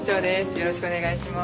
よろしくお願いします。